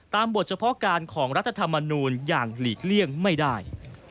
บทเฉพาะการของรัฐธรรมนูลอย่างหลีกเลี่ยงไม่ได้